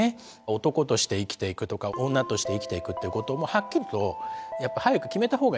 男して生きていくとか女として生きていくっていうこともはっきりとやっぱり早く決めた方がいいんじゃないのかっていう。